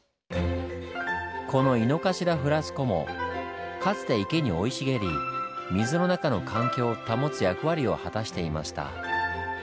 このイノカシラフラスコモかつて池に生い茂り水の中の環境を保つ役割を果たしていました。